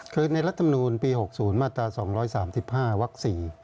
คือในรัฐมนูลปี๖๐มาตรา๒๓๕วัก๔